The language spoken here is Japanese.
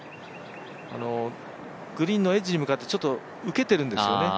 グリーンのエッジに向かってちょっと受けているんですよね